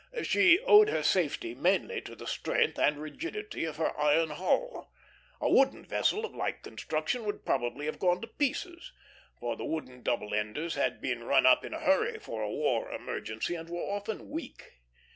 She owed her safety mainly to the strength and rigidity of her iron hull. A wooden vessel of like construction would probably have gone to pieces; for the wooden double enders had been run up in a hurry for a war emergency, and were often weak.